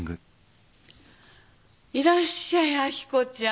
いらっしゃい明子ちゃん。